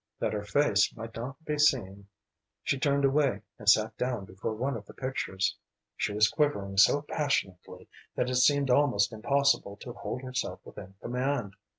That her face might not be seen she turned away and sat down before one of the pictures. She was quivering so passionately that it seemed almost impossible to hold herself within command.